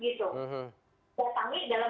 gitu datangi dalam